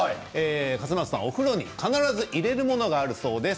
笠松さん、お風呂に必ず入れるものがあるそうです。